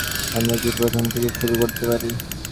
আমরা কি প্রথম থেকে শুরু করতে পারি?